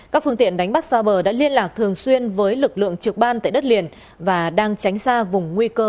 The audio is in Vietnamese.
các phương tiện đánh bắt xa bờ đã liên lạc thường xuyên với lực lượng trực ban tại đất liền và đang tránh xa vùng nguy cơ